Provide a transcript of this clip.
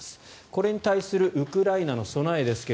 これに対するウクライナの備えですが